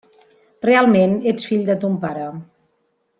Realment ets fill de ton pare.